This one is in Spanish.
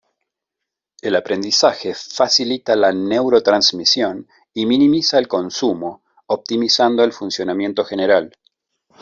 El aprendizaje facilita la neurotransmisión y minimiza el consumo, optimizando el funcionamiento general.